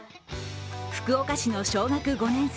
福岡市の小学５年生